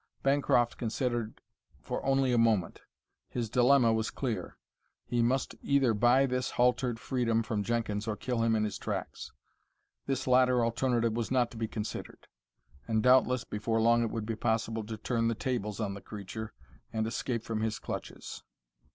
Bancroft considered for only a moment. His dilemma was clear: he must either buy this haltered freedom from Jenkins or kill him in his tracks. This latter alternative was not to be considered; and doubtless before long it would be possible to turn the tables on the creature and escape from his clutches.